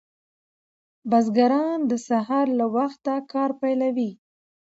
بزګران د سهار له وخته کار پیلوي.